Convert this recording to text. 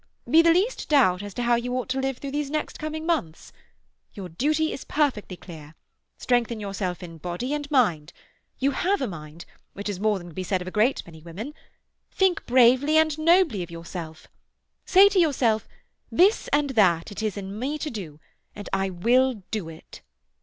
—be the least doubt as to how you ought to live through these next coming months. Your duty is perfectly clear. Strengthen yourself in body and mind. You have a mind, which is more than can be said of a great many women. Think bravely and nobly of yourself! Say to yourself: This and that it is in me to do, and I will do it!"